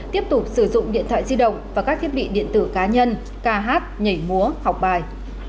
tiếp tục sử dụng điện thoại di động và các thiết bị điện tử cá nhân ca hát nhảy múa học bài